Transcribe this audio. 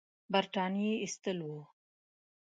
برټانیې ایستل وو.